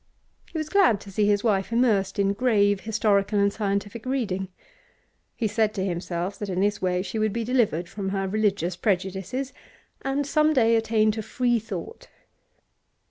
He was glad to see his wife immersed in grave historical and scientific reading; he said to himself that in this way she would be delivered from her religious prejudices, and some day attain to 'free thought.